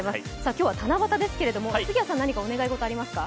今日は七夕ですけど、杉谷さん何かお願い事ありますか？